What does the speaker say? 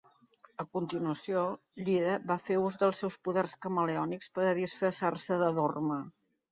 A continuació, Llyra va fer ús dels seus poders camaleònics per a disfressar-se de Dorma.